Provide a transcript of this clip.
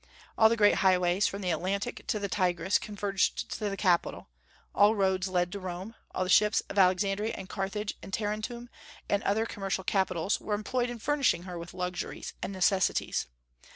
All the great highways, from the Atlantic to the Tigris, converged to the capital, all roads led to Rome; all the ships of Alexandria and Carthage and Tarentum, and other commercial capitals, were employed in furnishing her with luxuries or necessities.